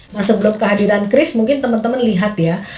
nah sebelum kehadiran chris mungkin teman teman lihat ya